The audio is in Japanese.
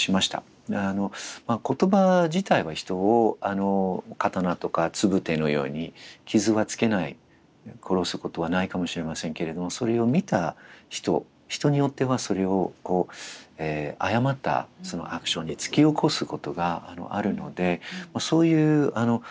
言葉自体は人を刀とか礫のように傷はつけない殺すことはないかもしれませんけれどもそれを見た人人によってはそれを誤ったアクションに突き起こすことがあるのでそういう言葉が飛び交っている空間というのは